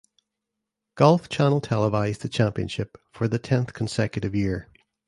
Golf Channel televised the championship for the tenth consecutive year.